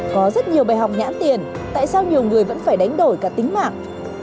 có rất nhiều bài học nhãn tiền tại sao nhiều người vẫn phải đánh đổi cả tính mạng